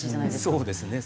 そうですね。